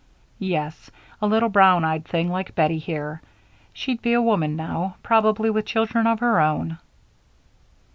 "Yes, a little brown eyed thing like Bettie here she'd be a woman now, probably with children of her own."